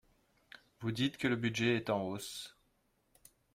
Vous dites que le budget est en hausse.